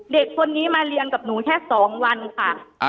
เด็กคนนี้มาเรียนกับหนูแค่๒วันค่ะ